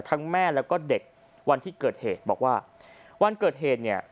แม่แล้วก็เด็กวันที่เกิดเหตุบอกว่าวันเกิดเหตุเนี่ย